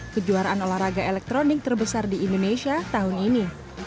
kejuaraan olahraga elektronik terbesar di indonesia tahun ini